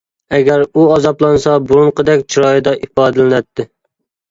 ئەگەر ئۇ ئازابلانسا بۇرۇنقىدەك چىرايىدا ئىپادىلىنەتتى.